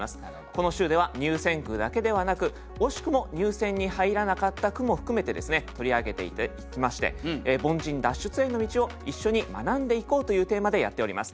この週では入選句だけではなく惜しくも入選に入らなかった句も含めてですね取り上げていきまして凡人脱出への道を一緒に学んでいこうというテーマでやっております。